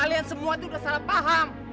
kalian semua itu udah salah paham